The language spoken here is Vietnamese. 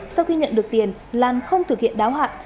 sau khi nhận được tiền lan không thực hiện đáo hạn